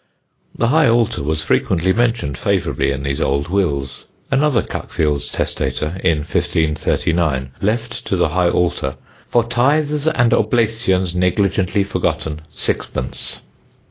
The high altar was frequently mentioned favourably in these old wills. Another Cuckfield testator, in 1539, left to the high altar, "for tythes and oblacions negligently forgotten, sixpence."